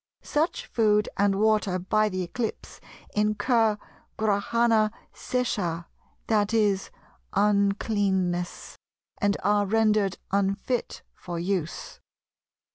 Such food and water, by the eclipse, incur Grahana seshah, that is, uncleanness, and are rendered unfit for use.